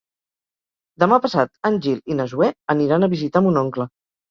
Demà passat en Gil i na Zoè aniran a visitar mon oncle.